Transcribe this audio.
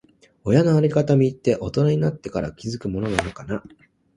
親のありがたみって、大人になってから気づくものなのかな。